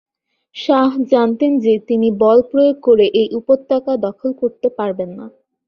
শাহ জানতেন যে তিনি বলপ্রয়োগ করে এই উপত্যকা দখল করতে পারবেন না।